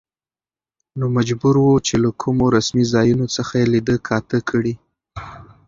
نو مجبور و، چې له کومو رسمي ځايونو څخه يې ليده کاته کړي.